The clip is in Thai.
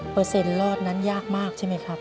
เปอร์เซ็นต์รอดนั้นยากมากใช่ไหมครับ